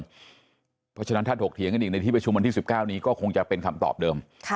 เพราะฉะนั้นถ้าถกเถียงกันอีกในที่ประชุมวันที่๑๙นี้ก็คงจะเป็นคำตอบเดิม